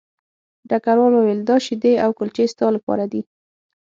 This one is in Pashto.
ډګروال وویل دا شیدې او کلچې ستا لپاره دي